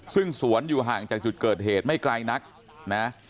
ซึ่งสวนอยู่ห่างจากจุดเกิดเหตุไม่ไกลนักนะ